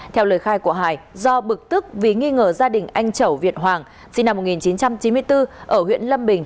theo lời khai của hải do bực tức vì nghi ngờ gia đình anh chẩu việt hoàng sinh năm một nghìn chín trăm chín mươi bốn ở huyện lâm bình